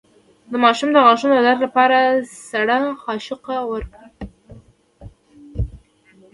د ماشوم د غاښونو د درد لپاره سړه قاشق ورکړئ